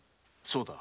そうだ。